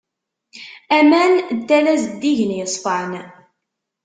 Aman n tala zeddigen yeṣfan.